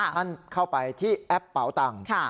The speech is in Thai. ท่านเข้าไปที่แอปเป๋าตังค์